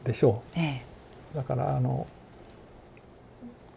ええ。